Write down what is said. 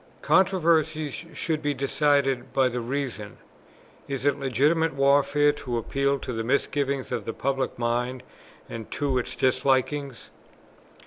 Controversies should be decided by the reason; is it legitimate warfare to appeal to the misgivings of the public mind and to its dislikings?